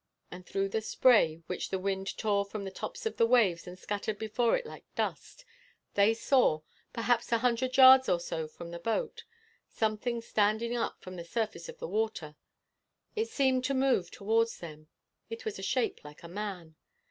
And through the spray which the wind tore from the tops of the waves and scattered before it like dust, they saw, perhaps a hundred yards or so from the boat, something standing up from the surface of the water. It seemed to move towards them. It was a shape like a man.